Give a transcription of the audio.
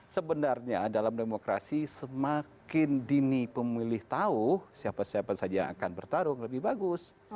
sebenarnya dalam demokrasi semakin dini pemilih tahu siapa siapa saja yang akan bertarung lebih bagus